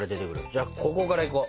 じゃここからいこう。